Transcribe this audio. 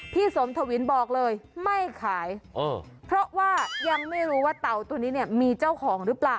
พี่สมทวินบอกเลยไม่ขายเพราะว่ายังไม่รู้ว่าเต่าตัวนี้เนี่ยมีเจ้าของหรือเปล่า